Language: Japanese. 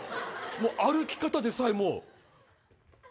歩き方でさえもう。